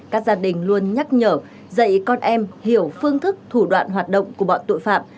các gia đình luôn nhắc nhở dạy con em hiểu phương thức thủ đoạn hoạt động của bọn tội phạm